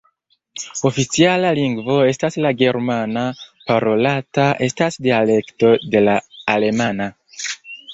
Oficiala lingvo estas la germana, parolata estas dialekto de la alemana.